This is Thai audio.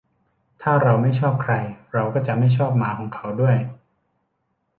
ถ้าเราไม่ชอบใคร เราก็จะไม่ชอบหมาของเขาด้วย